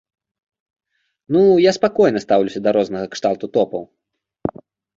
Ну, я спакойна стаўлюся да рознага кшталту топаў.